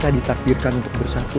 kita ditakdirkan untuk bersatu